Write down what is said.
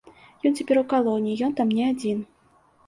Ён цяпер у калоніі, ён там не адзін.